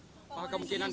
jadi pelaku lain gimana pak